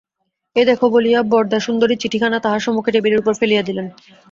এই দেখো বলিয়া বরদাসুন্দরী চিঠিখানা তাঁহার সম্মুখে টেবিলের উপর ফেলিয়া দিলেন।